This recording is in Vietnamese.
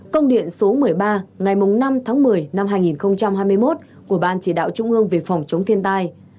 công điện số một mươi ba ngày năm tháng một mươi năm hai nghìn hai mươi một của ban chỉ đạo trung ương về phòng chống thiên tai